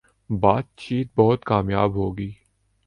باتچیت بہت کامیاب ہو گی